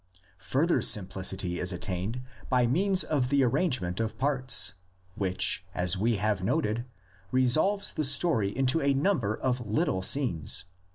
Further simplicity is attained by means of the arrangement of parts, which, as we have noted, resolves the story into a number of little scenes.